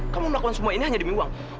kamu melakukan semua ini hanya demi uang